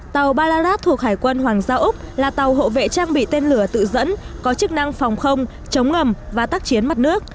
tàu balad thuộc hải quân hoàng gia úc là tàu hộ vệ trang bị tên lửa tự dẫn có chức năng phòng không chống ngầm và tác chiến mặt nước